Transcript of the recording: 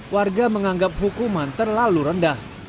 warga menganggap hukuman terlalu rendah